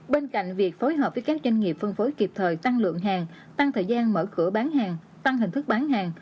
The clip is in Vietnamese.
bên cạnh việc phối hợp với các doanh nghiệp phân phối kịp thời tăng lượng hàng tăng thời gian mở cửa bán hàng tăng hình thức bán hàng